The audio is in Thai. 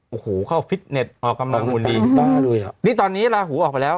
โอ้โหเข้าฟิตเน็ตออกกำลังวุ่นดีนี่ตอนนี้ลาหูออกไปแล้ว